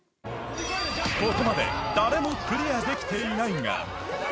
ここまで誰もクリアできていないが。